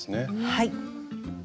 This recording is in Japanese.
はい。